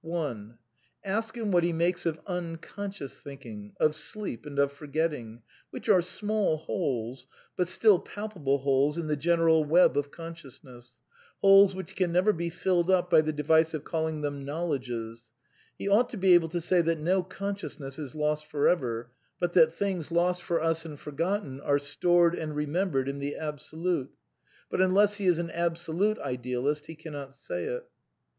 Ask him what he makes of imconscious thinking, of sleep and of forgetting, which are small holes, but still palpable holes in the general web of consciousness, holes which can never be filled up by the device of calling them knowledges ; he ought to be able to say that no conscious ness is lost for ever, but that things lost for us and for gotten are stored and remembered in the Absolute; but unless he is an Absolute Idealist he cannot say it.